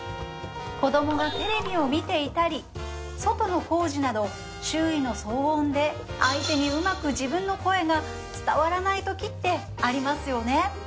子供がテレビを見ていたり外の工事など周囲の騒音で相手にうまく自分の声が伝わらないときってありますよね